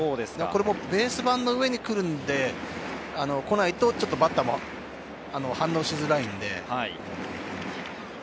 ベース板の上に来るので、来ないとバッターも反応しづらいので。